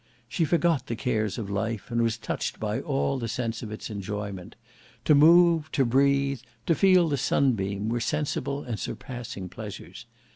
She forgot the cares of life and was touched by all the sense of its enjoyment. To move, to breathe, to feel the sunbeam, were sensible and surpassing pleasures.